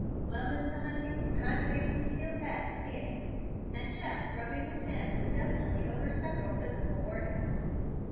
"Well, Mr. Hunting, it kinder makes me feel bad here," said Jeff, rubbing his hand indefinitely over several physical organs.